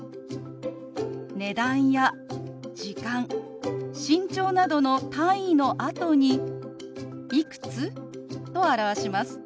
値段や時間身長などの単位のあとに「いくつ？」と表します。